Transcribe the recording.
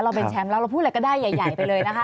เราเป็นแชมป์แล้วเราพูดอะไรก็ได้ใหญ่ไปเลยนะคะ